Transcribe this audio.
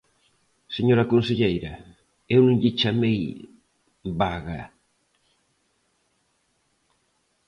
Señora conselleira, eu non lle chamei vaga.